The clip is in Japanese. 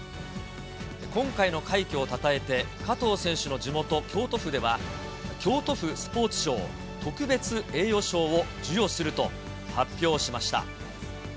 今回の快挙をたたえて、加藤選手の地元、京都府では、京都府スポーツ賞特別栄誉賞を授与すると発表しました。